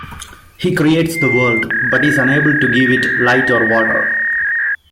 He creates the world but is unable to give it light or water.